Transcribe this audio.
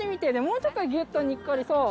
もうちょっとギュっとにっこりそう。